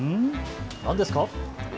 何ですか。